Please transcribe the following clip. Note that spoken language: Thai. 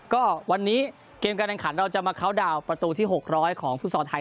ก็วันนี้เกมกำแหน่งขันเราจะมาเคาน์ดาวน์ประตูที่หกร้อยของฟุตรศาสตร์ไทย